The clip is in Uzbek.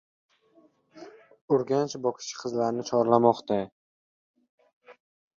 Urganch bokschi qizlarni chorlamoqda